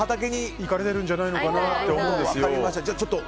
行かれてるんじゃないかなと思うんですよ。